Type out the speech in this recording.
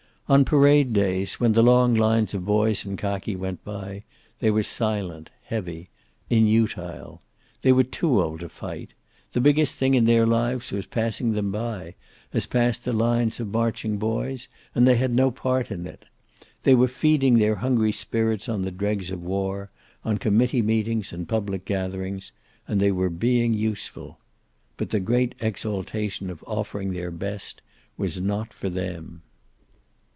On parade days, when the long lines of boys in khaki went by, they were silent, heavy, inutile. They were too old to fight. The biggest thing in their lives was passing them by, as passed the lines of marching boys, and they had no part in it. They were feeding their hungry spirits on the dregs of war, on committee meetings and public gatherings, and they were being useful. But the great exaltation of offering their best was not for them.